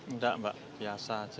enggak mbak biasa aja